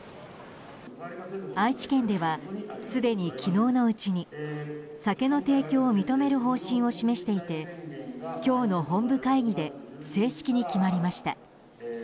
愛知県では、すでに昨日のうちに酒の提供を認める方針を示していて今日の本部会議で正式に決まりました。